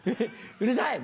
うるさい！